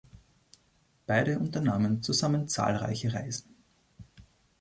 Beide unternahmen zusammen zahlreiche Reisen.